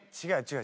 違う。